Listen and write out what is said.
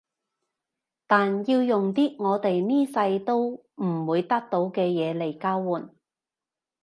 但要用啲我哋呢世都唔會得到嘅嘢嚟交換